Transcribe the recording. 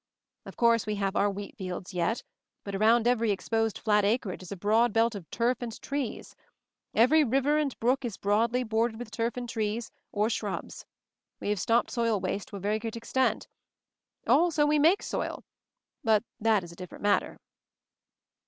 Of course we have our wheat fields yet, but around every exposed flat acreage is a broad belt of turf and trees ; every river and brook is broadly bordered with turf and trees, or shrubs. We have stopped soil waste to a very great extent. Also we make soil — but that is a different matter."